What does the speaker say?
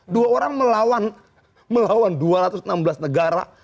dua orang melawan dua ratus enam belas negara